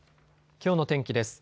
きょうの天気です。